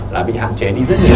là bị hạm chế đi rất nhiều